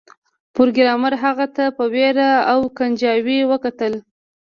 پروګرامر هغه ته په ویره او کنجکاوی وکتل